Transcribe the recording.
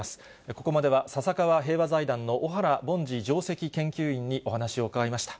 ここまでは笹川平和財団の小原凡司上席研究員にお話を伺いました。